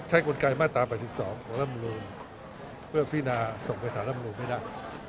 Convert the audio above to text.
กลไกมาตรา๘๒ของรัฐมนูลเพื่อพินาส่งไปสารรำนูนไม่ได้